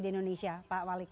di indonesia pak malik